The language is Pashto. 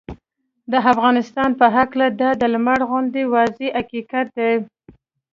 د افغانستان په هکله دا د لمر غوندې واضحه حقیقت دی